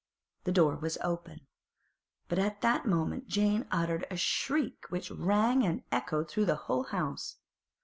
The door was open, but at that moment Jane uttered a shriek which rang and echoed through the whole house.